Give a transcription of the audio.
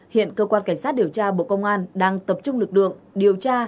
hiện cơ quan cảnh sát điều tra bộ công an đang tập trung lực lượng điều tra